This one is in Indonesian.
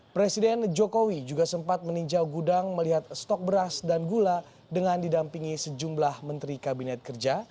presiden jokowi juga sempat meninjau gudang melihat stok beras dan gula dengan didampingi sejumlah menteri kabinet kerja